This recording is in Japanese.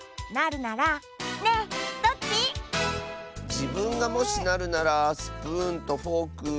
じぶんがもしなるならスプーンとフォーク。